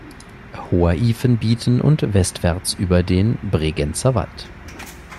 Hoher Ifen bieten und westwärts über den Bregenzerwald.